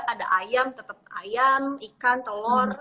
ada ayam tetep ayam ikan telur